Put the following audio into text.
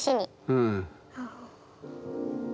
うん。